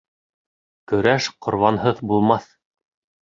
Көрәш ҡорбанһыҙ булмаҫ.